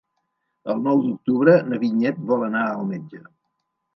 El nou d'octubre na Vinyet vol anar al metge.